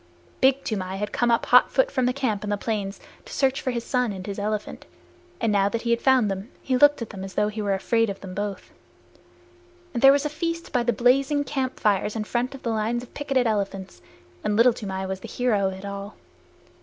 Big Toomai had come up hotfoot from the camp in the plains to search for his son and his elephant, and now that he had found them he looked at them as though he were afraid of them both. And there was a feast by the blazing campfires in front of the lines of picketed elephants, and Little Toomai was the hero of it all.